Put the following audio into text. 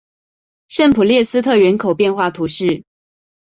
圣普列斯特人口变化图示